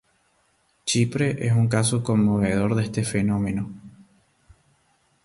Chipre es un caso conmovedor de este fenómeno.